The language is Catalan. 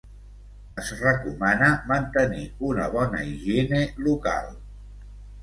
Es recomana mantenir una bona higiene local.